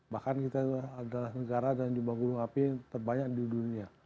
bahkan kita itu adalah negara dan juga gunung berapi terbanyak di dunia